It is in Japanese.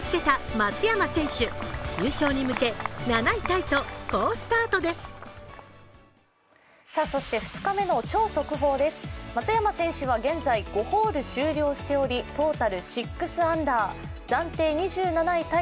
松山選手は現在、５ホール終了しておりトータル６アンダー、暫定２７位タイ。